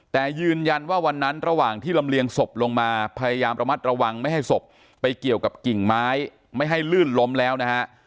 แต่ยืนยันว่าวันนั้นระหว่างที่ลำเลียงศพลงมาพยายามระมัดระวังไม่ให้ศพไปเกี่ยวกับกิ่งไม้ไม่ให้ลื่นล้มแล้วนะฮะ